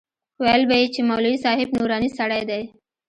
ويل به يې چې مولوي صاحب نوراني سړى دى.